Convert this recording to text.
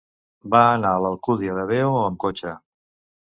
Va anar a l'Alcúdia de Veo amb cotxe.